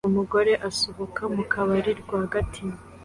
Umugore asohoka mu kabari rwagati